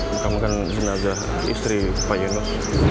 bukan bukan jenazah istri pak yunus